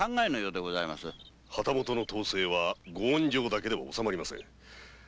旗本の統制は御温情だけでは治まりません